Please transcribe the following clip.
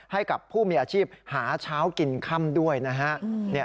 ให้กับผู้มีอาชีพหาเช้ากินค่ำด้วยนะฮะ